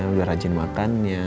udah rajin makannya